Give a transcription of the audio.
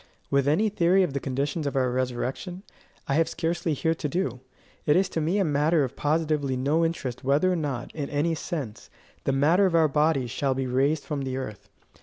With any theory of the conditions of our resurrection, I have scarcely here to do. It is to me a matter of positively no interest whether or not, in any sense, the matter of our bodies shall be raised from the earth.